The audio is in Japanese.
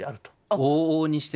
往々にしてね。